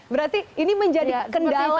berarti ini menjadi kendala utama ya bu